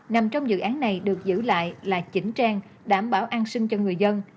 nằm trong dự án này được giữ lại là chỉnh trang đảm bảo an sinh cho người dân